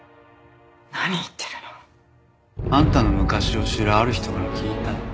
何言ってるの。あんたの昔を知るある人から聞いた。